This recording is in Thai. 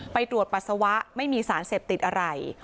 ไปตรวจปัสสาวะไม่มีสารเสพติดอะไร